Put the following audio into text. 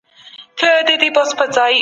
تاسي تل په نېکۍ پسي ځئ.